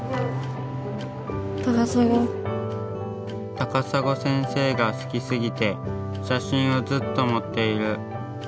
たかさご先生が好きすぎて写真をずっと持っている。